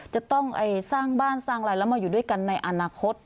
จะต้องสร้างบ้านสร้างอะไรแล้วมาอยู่ด้วยกันในอนาคต